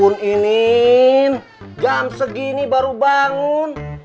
nin jam segini baru bangun